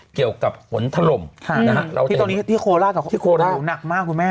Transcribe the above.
เกี่ยวกับผลถรมที่ตอนนี้ที่โคล่าหนักมากคุณแม่